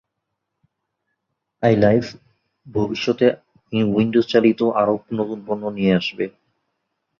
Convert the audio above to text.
ILife ভবিষ্যতে উইন্ডোজচালিত আরও নতুন পণ্য নিয়ে আসবে।